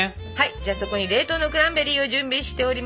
じゃあそこに冷凍のクランベリーを準備しております。